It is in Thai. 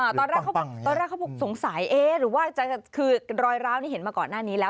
ตอนแรกเค้าบอกสงสารรอยร้าวนี้เห็นมาก่อนหน้านี้แล้ว